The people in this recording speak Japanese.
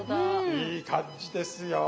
いい感じですよ。